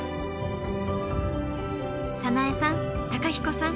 早苗さん公彦さん